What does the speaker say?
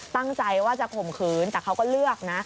ตั้งใจว่าจะข่มขืนแต่เขาก็เลือกนะ